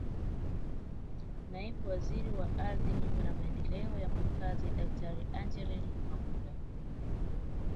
Naibu Waziri wa Ardhi Nyumba na Maendeleo ya Makazi Daktari Angeline Mabula